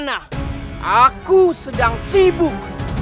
aku sedang sibuk